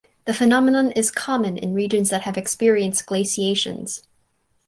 The phenomenon is common in regions that have experienced glaciations.